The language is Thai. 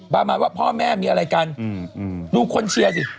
ประมาณว่าพ่อแม่มีอะไรกันดูคนเชียร์สิ